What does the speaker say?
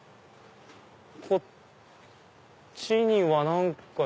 こっちには何か。